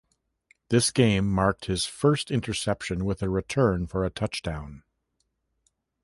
This game marked his first interception with a return for a touchdown.